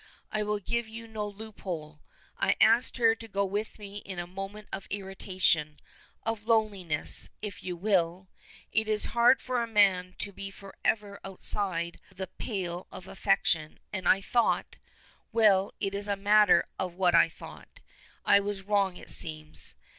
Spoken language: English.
I will give you no loop hole. I asked her to go with me in a moment of irritation, of loneliness, if you will; it is hard for a man to be forever outside the pale of affection, and I thought well, it is no matter what I thought. I was wrong it seems.